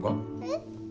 えっ？